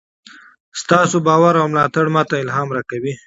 ستاسو باور او ملاتړ ماته الهام راکوي.